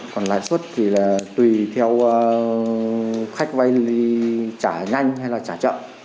còn lãi suất thì là tùy theo khách vay trả nhanh hay là trả chậm